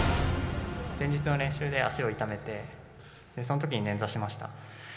前日の練習で足を痛めて、そのときに捻挫しました。